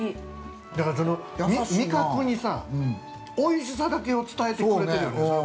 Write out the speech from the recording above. ◆だから、味覚にさおいしさだけを伝えてくれてるよね。